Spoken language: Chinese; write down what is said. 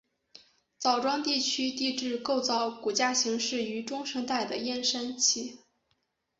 枣庄地区地质构造骨架形成于中生代的燕山期。